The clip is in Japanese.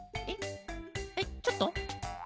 えっちょっと？